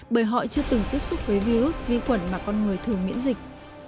bởi họ chưa từng tiếp xúc với virus vi khuẩn mà con người thường miễn dịch